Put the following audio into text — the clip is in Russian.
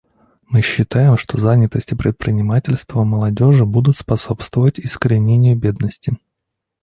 Мы считаем, что занятость и предпринимательство молодежи будут способствовать искоренению бедности.